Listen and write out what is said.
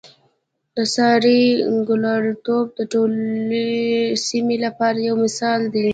د سارې ګلالتوب د ټولې سیمې لپاره یو مثال دی.